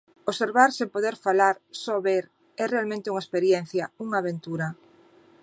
Observar sen poder falar, só ver, é realmente unha experiencia, unha aventura.